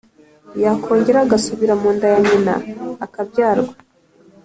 Yakongera agasubira mu nda ya nyina, akabyarwa?